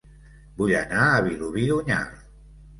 Vull anar a Vilobí d'Onyar